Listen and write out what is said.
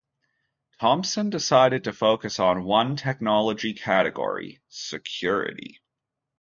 Thompson decided to focus on one technology category: security.